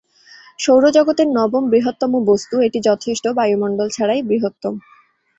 সৌরজগতের নবম বৃহত্তম বস্তু, এটি যথেষ্ট বায়ুমণ্ডল ছাড়াই বৃহত্তম।